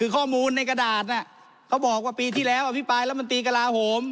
ข้อมูลในกระดาษน่ะเขาบอกว่าปีที่แล้วอภิปรายรัฐมนตรีกระลาโหม